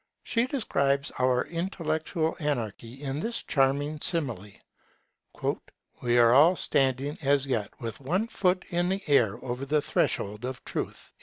She describes our intellectual anarchy in this charming simile: 'We are all standing as yet with one foot in the air over the threshold of truth'.